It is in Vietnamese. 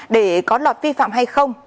để có lọt vi phạm hay không